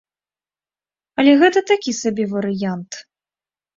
Але гэта такі сабе варыянт.